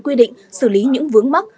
quy định xử lý những vướng mắc